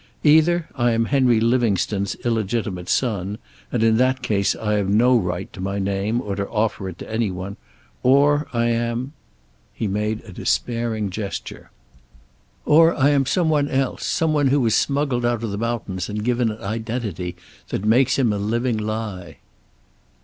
Either I am Henry Livingstone's illegitimate son, and in that case I have no right to my name, or to offer it to any one, or I am " He made a despairing gesture. " or I am some one else, some one who was smuggled out of the mountains and given an identity that makes him a living lie."